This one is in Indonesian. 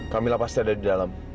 kamilah pasti ada di dalam